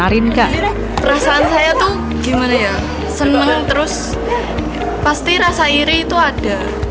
perasaan saya tuh gimana ya seneng terus pasti rasa iri itu ada